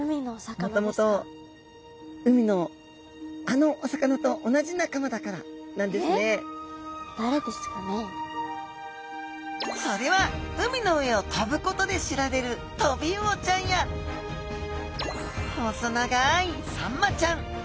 もともと海のあのお魚と同じ仲間だからなんですね。え！？それは海の上を飛ぶことで知られるトビウオちゃんや細長いサンマちゃん。